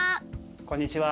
こんにちは！